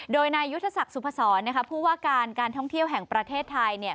โดยนายุทธศักดิ์สุพศรพูดว่าการท่องเที่ยวแห่งประเทศไทย